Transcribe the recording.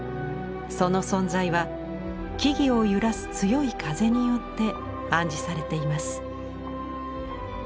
その存在は木々を揺らす強い風によって暗示されています。